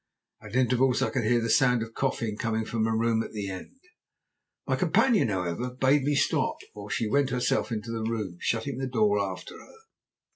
At intervals I could hear the sound of coughing coming from a room at the end. My companion, however, bade me stop, while she went herself into the room, shutting the door after her.